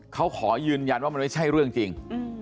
เขาขอยืนยันว่ามันไม่ใช่เรื่องจริง